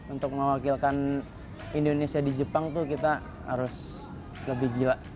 untuk mewakilkan indonesia di jepang tuh kita harus lebih gila